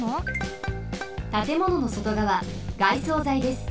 たてもののそとがわ外装材です。